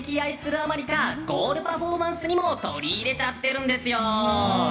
あまりかゴールパフォーマンスにも取り入れちゃってるんですよ。